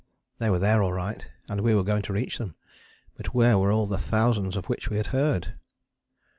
They were there all right, and we were going to reach them, but where were all the thousands of which we had heard?